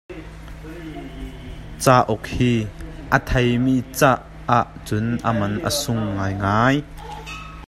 Cauk hi a thei mi caah cun a man a sung ngaingai.